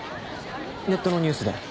ネットのニュースで。